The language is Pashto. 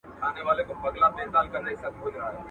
پېغلي نه نيسي د اوښو پېزوانونه.